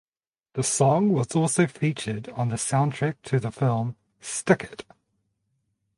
The song was also featured on the soundtrack to the film "Stick It".